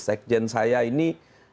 sekjen saya ini